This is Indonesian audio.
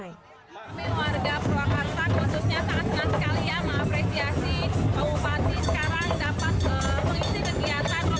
khususnya sangat senang sekali